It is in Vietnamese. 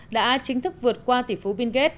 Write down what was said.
đã chính thức vượt qua tỷ phú bill gates